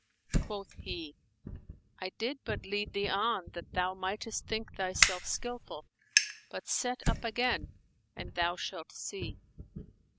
Quoth he, "I did but lead thee on, that thou mightest think thyself skilful: but set up again, and thou shalt see."